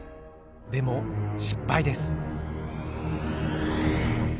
でも失敗です。